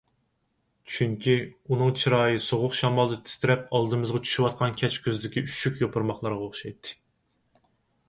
چۈنكى، ئۇنىڭ چىرايى سوغۇق شامالدا تىترەپ ئالدىمىزغا چۈشۈۋاتقان كەچكۈزدىكى ئۈششۈك يوپۇرماقلارغا ئوخشايتتى.